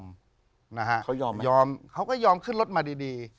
เขายอมยอมเขาก็ยอมขึ้นรถมาดี